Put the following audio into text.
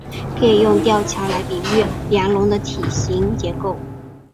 可以用吊桥来比喻梁龙的体型结构。